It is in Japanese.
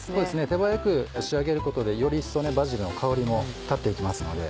手早く仕上げることでより一層バジルの香りも立って行きますので。